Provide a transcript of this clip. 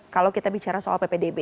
kalau kita bicara soal ppdb